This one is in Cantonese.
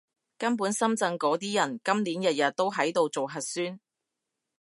根本深圳嗰啲人，今年日日都喺度做核酸